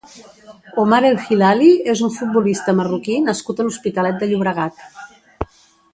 Omar El Hilali és un futbolista marroquí nascut a l'Hospitalet de Llobregat.